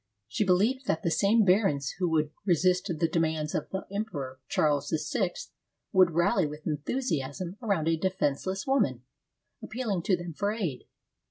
She believed that the same barons who would resist the demands of the Emperor Charles VI would rally with enthusiasm around a defenseless woman, appealing to them for aid.